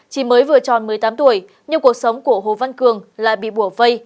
chỉ mới vừa tròn một mươi tám tuổi nhưng cuộc sống của hồ văn cường lại bị bùa vây